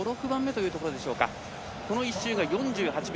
この１周が４８秒。